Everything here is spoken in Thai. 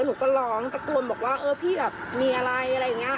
หนูก็ร้องตะโกนบอกว่าเออพี่แบบมีอะไรอะไรอย่างนี้